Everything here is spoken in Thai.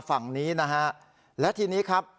ฝั่งนี้นะฮะและทีนี้ครับ